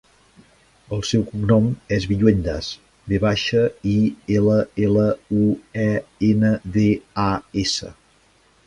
El seu cognom és Villuendas: ve baixa, i, ela, ela, u, e, ena, de, a, essa.